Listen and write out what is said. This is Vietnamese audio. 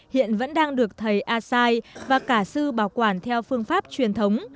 hiện vẫn đang được thầy asai và cả sư bảo quản theo phương pháp truyền thống